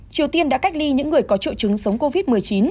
triều tiên đã cách ly những người có triệu chứng sống covid một mươi chín